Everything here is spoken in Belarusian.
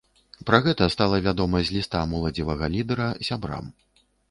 Пра гэта стала вядома з ліста моладзевага лідэра сябрам.